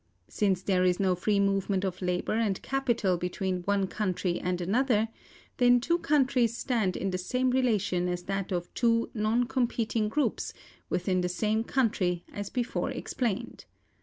Since there is no free movement of labor and capital between one country and another, then two countries stand in the same relation as that of two "non competing groups" within the same country, as before explained.